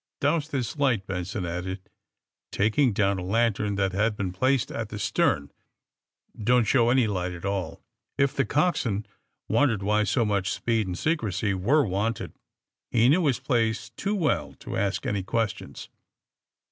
Douse this light," Benson added, tak ing down a lantern that had been placed at the stern. ^^ Don't show any light at all." If the coxswain wondered why so much speed and secrecy were wanted, he knew his place too well to ask any questions.